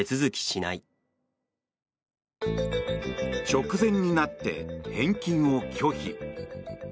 直前になって返金を拒否。